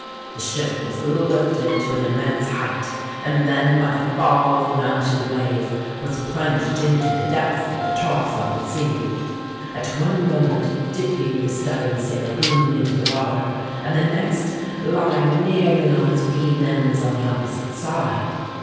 The ship was lifted to an immense height, and then by the fall of the mountain wave, was plunged into the depths of the trough of the sea;—at one moment dipping the studding sail boom into the water,—and the next lying nearly on its beam ends on the opposite side.